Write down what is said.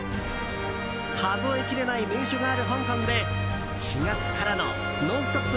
数えきれない名所がある香港で４月からの「ノンストップ！」